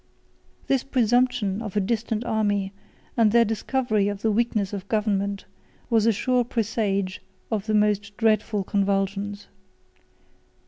17 This presumption of a distant army, and their discovery of the weakness of government, was a sure presage of the most dreadful convulsions.